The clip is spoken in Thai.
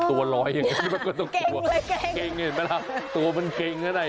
มอบคือเจ้าของนะ